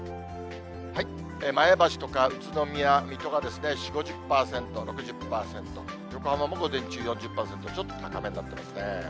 前橋とか宇都宮、水戸が４、５０％、６０％、横浜も午前中４０％、ちょっと高めになってますね。